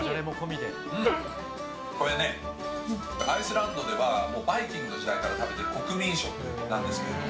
これね、アイスランドでは、バイキングの時代から食べられている国民食なんですけれども。